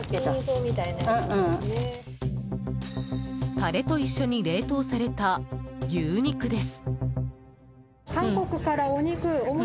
タレと一緒に冷凍された牛肉です。